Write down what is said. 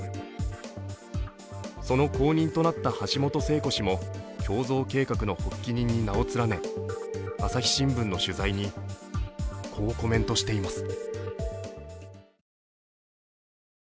その後任となった橋本聖子氏も胸像計画の発起人に名を連ね朝日新聞の取材にこうコメントしています。